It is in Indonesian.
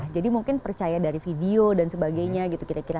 jadi mungkin percaya dari video dan sebagainya gitu kira kira